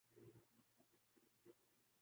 اتنی نہیں ہے۔